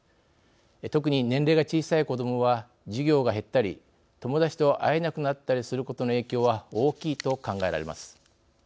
特に年齢が小さい子どもは授業が減ったり友達と会えなくなったりすることの影響は大きいと考えられます。